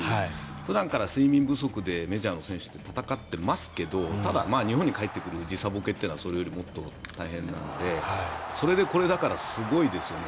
普段から睡眠不足でメジャーの選手って戦ってますけどただ、日本に帰ってくる時差ボケっていうのはそれよりもっと大変なのでそれでこれだからすごいですよね。